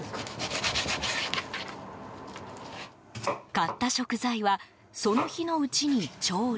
買った食材はその日のうちに調理。